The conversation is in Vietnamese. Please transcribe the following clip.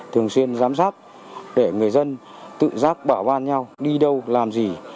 thường xuyên giám sát để người dân tự giác bảo van nhau đi đâu làm gì